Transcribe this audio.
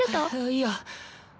いや。